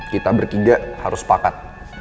kita berkiga harus pakat